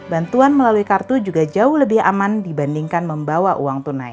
bantuan melalui kartu juga jauh lebih aman dibandingkan membawa uang tunai